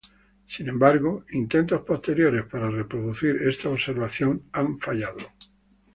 Sin embargo, intentos posteriores para reproducir esta observación han fallado.